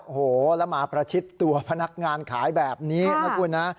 โอ้โหแล้วมาประชิดตัวพนักงานขายแบบนี้นะคุณนะ